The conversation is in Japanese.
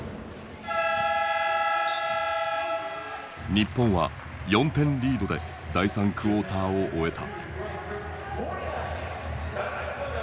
日本は４点リードで第３クォーターを終えた。